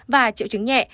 và triệu chứng nhẹ